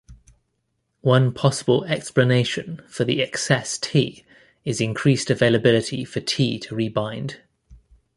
One possible explanation for the excess T is increased availability for T to rebind.